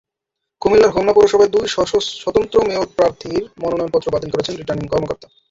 কুমিল্লার হোমনা পৌরসভায় দুই স্বতন্ত্র মেয়র প্রার্থীর মনোনয়নপত্র বাতিল করেছেন রিটার্নিং কর্মকর্তা।